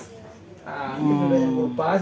ini udah banyak kelupas